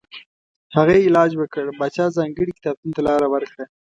هغه یې علاج وکړ پاچا ځانګړي کتابتون ته لاره ورکړه.